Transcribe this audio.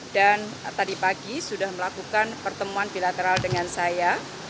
dan tadi pagi sudah melakukan pertemuan bilateral dengan saya